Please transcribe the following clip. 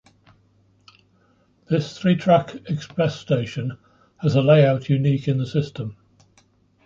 This three-track express station has a layout unique in the system.